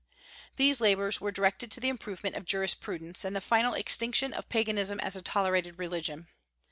These labors were directed to the improvement of jurisprudence, and the final extinction of Paganism as a tolerated religion.